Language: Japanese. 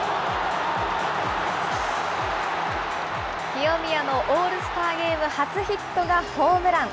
清宮のオールスターゲーム初ヒットがホームラン。